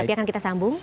tapi akan kita sambung